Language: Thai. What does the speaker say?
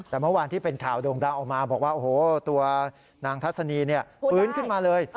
แต่เมื่อวานที่เป็นข่าวโด่งดังออกมาบอกว่าโอ้โหตัวนางทัศนีฟื้นขึ้นมาเลย